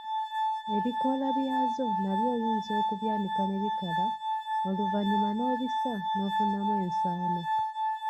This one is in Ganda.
Ebikoola byazo nabyo oyinza okubyanika ne bikala, oluvannyuma n’obisa n’ofunamu ensaano.